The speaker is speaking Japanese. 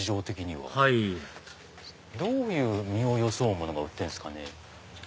はいどういう身を装うものが売ってるんですかね。